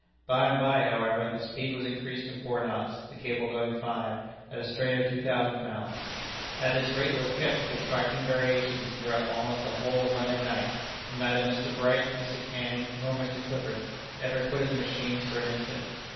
By and by, however, the speed was increased to four knots, the cable going five, at a strain of two thousand pounds. At this rate it was kept, with trifling variations, throughout almost the whole of Monday night, and neither Mr. Bright, Mr. Canning, nor Mr. Clifford ever quitted the machines for an instant.